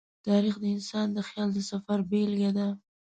تاریخ د انسان د خیال د سفر بېلګه ده.